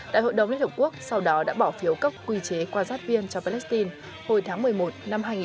đại hội đồng liên hợp quốc sau đó đã bỏ phiếu các quy chế quan sát viên cho palestine hồi tháng một mươi một năm hai nghìn một mươi ba